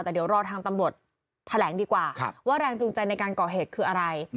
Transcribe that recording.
แต่เดี๋ยวรอทางตำรวจแถลงดีกว่าว่าแรงจูงใจในการก่อเหตุคืออะไร